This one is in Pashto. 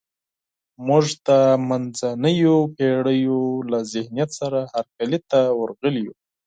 موږ د منځنیو پېړیو له ذهنیت سره هرکلي ته ورغلي یو.